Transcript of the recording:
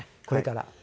これから？